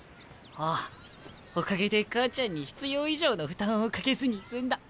ああおかげで母ちゃんに必要以上の負担をかけずに済んだ。